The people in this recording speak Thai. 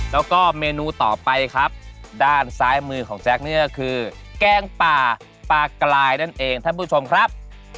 แล้วก็เมนูต่อไปครับด้านซ้ายมือของแจ๊คนี่ก็คือแกงป่าปลากลายนั่นเองท่านผู้ชมครับ